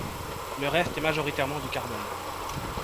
Le reste est majoritairement du carbone.